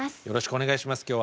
よろしくお願いします